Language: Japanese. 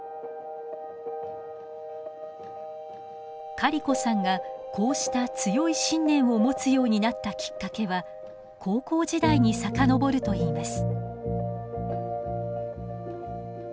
カリコさんがこうした強い信念を持つようになったきっかけは高校時代に遡るといいます。